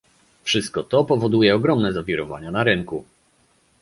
Wszystko to powoduje ogromne zawirowania na rynku